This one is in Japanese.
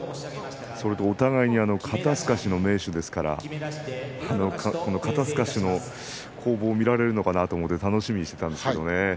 それから、お互いに肩すかしの名手ですから肩すかしの攻防が見られるかと楽しみにしていたんですがね。